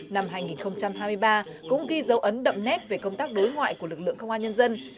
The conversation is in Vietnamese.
năm hai nghìn hai mươi ba cũng ghi dấu ấn đậm nét về công tác đối ngoại của lực lượng công an nhân dân